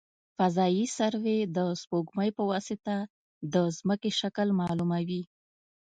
فضايي سروې د سپوږمکۍ په واسطه د ځمکې شکل معلوموي